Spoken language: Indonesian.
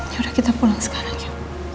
yaudah kita pulang sekarang ya